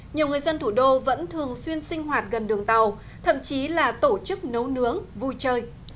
nhiều người dân thủ đô vẫn thường xuyên sinh hoạt gần đường tàu thậm chí là tổ chức nấu nướng vui chơi